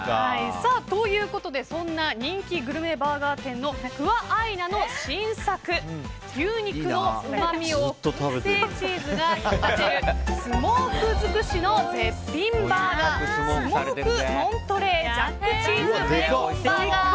ということでそんな人気グルメバーガー店のクア・アイナの新作牛肉のうまみを燻製チーズが引き立てるスモーク尽くしの絶品バーガースモークモントレージャックチーズベーコンバーガー。